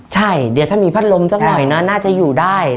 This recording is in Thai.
ใช่เดี๋ยวถ้ามีพัดลมสักหน่อยนะน่าจะอยู่ได้